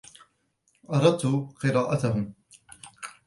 أردت قراءتهم.